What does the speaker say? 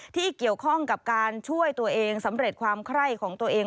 ที่เกี่ยวข้องกับการช่วยตัวเองสำเร็จความไคร้ของตัวเอง